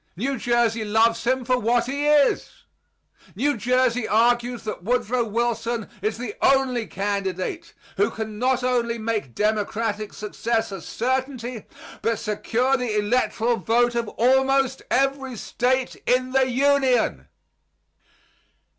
New Jersey loves him for what he is. New Jersey argues that Woodrow Wilson is the only candidate who can not only make Democratic success a certainty, but secure the electoral vote of almost every State in the Union.